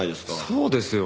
そうですよ。